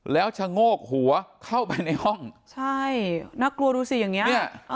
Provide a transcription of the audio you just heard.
แล้วชะโงกหัวเข้าไปในห้องนักลัวดูสิอย่างนี้